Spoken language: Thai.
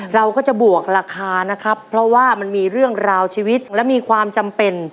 เราก็จะบวกราคานะครับเพราะว่ามันมีเรื่องราวชีวิตและมีความจำเป็น